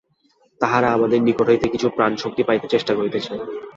তাহারা আমাদের নিকট হইতে কিছু প্রাণশক্তি পাইতে চেষ্টা করিতেছে।